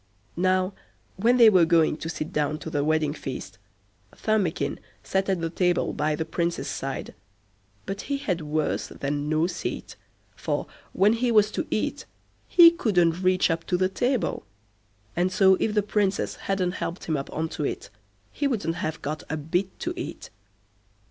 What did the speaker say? Now, when they were going to sit down to the wedding feast, Thumbikin sat at the table by the Princess's side; but he had worse than no seat, for when he was to eat he couldn't reach up to the table; and so if the Princess hadn't helped him up on to it, he wouldn't have got a bit to eat.